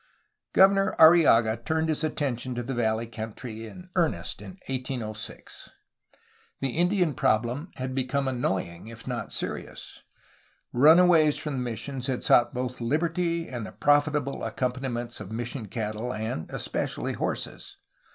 Governor Arrillaga turned his attention to the valley country in earnest in 1806. The Indian problem had be come annoying if not serious. Runaways from the missions had sought both liberty and the profitable accompaniments of mission cattle and, especially, horses.